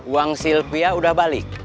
uang silvia sudah balik